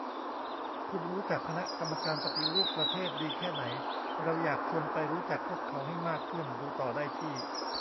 คุณรู้จัก คณะกรรมการปฏิรูปประเทศ ดีแค่ไหน ? เราอยากชวนไปรู้จักพวกเขาให้มากขึ้น ดูต่อได้ที่